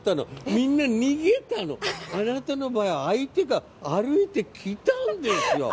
みんな逃げたの、あなたの場合は歩いてきたんですよ。